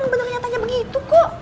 bener bener nyatanya begitu kok